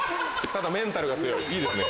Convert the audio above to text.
ただメンタルが強い。